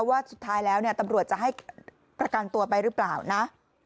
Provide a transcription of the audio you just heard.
ว่าสุดท้ายแล้วเนี่ยตำรวจจะให้ประกันตัวไปหรือเปล่านะ